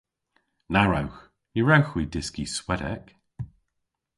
Na wrewgh. Ny wrewgh hwi dyski Swedek.